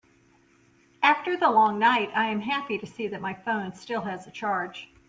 After the long night, I am happy to see that my phone still has a charge.